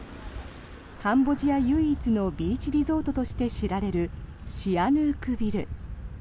カンボジア唯一のビーチリゾートとして知られるシアヌークビル。